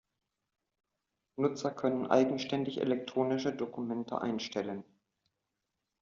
Nutzer können eigenständig elektronische Dokumente einstellen.